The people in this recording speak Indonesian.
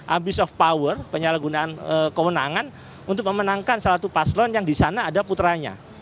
abuse of power penyalahgunaan kewenangan untuk memenangkan salah satu paslon yang di sana ada putranya